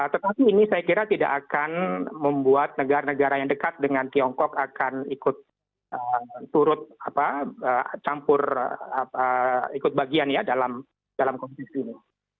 tetapi ini saya kira tidak akan membuat negara negara yang dekat dengan tiongkok akan ikut turut campur ikut bagian ya dalam kompetisi ini